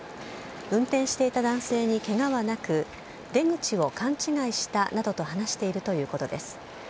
運転していた男性にけがはなく、出口を勘違いしたなどと話しているということです。